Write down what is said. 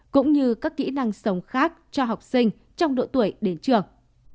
cũng như các kỹ năng sống khác cho học sinh trong độ tuổi đến trường